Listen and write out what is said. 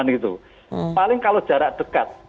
jadi itu adalah hal yang harus dipercayai